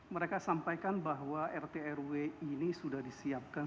mereka sampaikan bahwa rt rw ini sudah disiapkan